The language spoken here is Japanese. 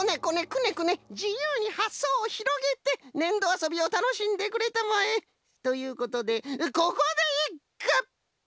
くねくねじゆうにはっそうをひろげてねんどあそびをたのしんでくれたまえ！ということでここでいっく！